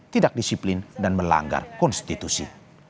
tidak disiplin dan melanggar konstitusi